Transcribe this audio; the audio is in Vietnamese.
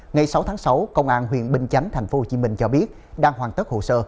ngày sáu tháng sáu công an huyện bình chánh thành phố hồ chí minh cho biết đang hoàn tất hồ sơ